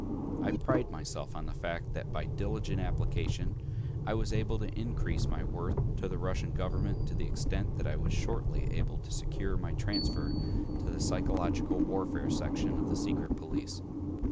I pride myself on the fact that by diligent application I was able to increase my worth to the Russian government to the extent that I was shortly able to secure my transfer to the psychological warfare section of the secret police.